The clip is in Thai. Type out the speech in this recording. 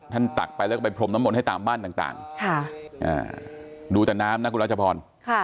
ตักไปแล้วก็ไปพรมน้ำมนต์ให้ตามบ้านต่างดูแต่น้ำนะคุณรัชพร